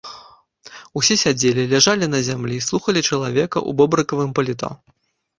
Усе сядзелі, ляжалі на зямлі, слухалі чалавека ў бобрыкавым паліто.